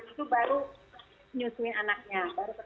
itu baru menyusuin anaknya